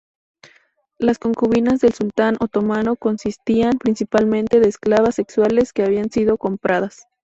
Las concubinas del sultán otomano consistían principalmente de esclavas sexuales que habían sido compradas.